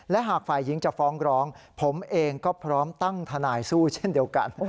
และหากฝ่ายหญิงจะฟ้องร้องผมเองก็พร้อมตั้งทนายสู้เช่นเดียวกัน